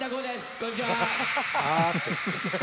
こんにちは。